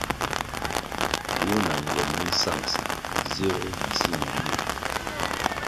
Duo na ngwen mi nsangʼsa zirū na si ñenywia.